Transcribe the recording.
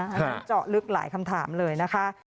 จะเจาะลึกหลายคำถามเลยนะคะ